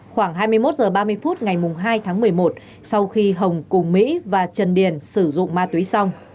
khoảng hai mươi một h ba mươi phút ngày hai tháng một mươi một sau khi hồng cùng mỹ và trần điền sử dụng ma túy xong